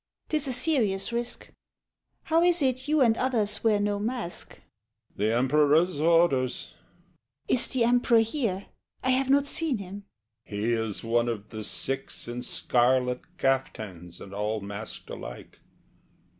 'Tis a serious risk! How is it you and others wear no mask? HE. The Emperor's orders. SHE. Is the Emperor here? I have not seen him. HE. He is one of the six In scarlet kaftans and all masked alike.